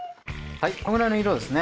はいこのくらいの色ですね。